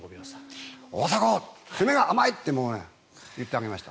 大迫、詰めが甘いって言ってあげました。